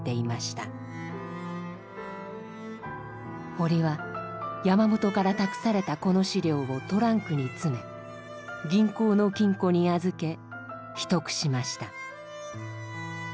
堀は山本から託されたこの資料をトランクに詰め銀行の金庫に預け秘匿しました。